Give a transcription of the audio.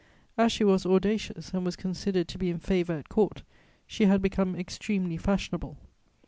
As she was audacious and was considered to be in favour at Court, she had become extremely fashionable.